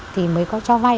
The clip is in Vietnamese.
thì mới có cho vay